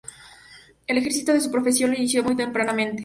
El ejercicio de su profesión lo inició muy tempranamente.